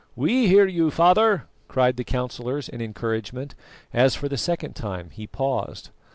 "We hear you, Father," cried the councillors in encouragement, as for the second time he paused.